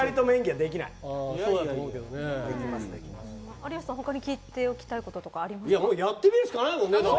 有吉さん、他に聞いておきたいこととかやってみるしかないもんね。